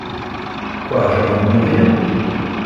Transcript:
Quoi, je vais donc mourir !